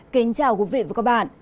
kính chào quý vị và các bạn